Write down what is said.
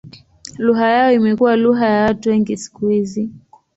Lugha yao imekuwa lugha ya watu wengi siku hizi.